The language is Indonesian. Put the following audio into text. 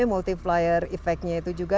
multiplier efeknya itu juga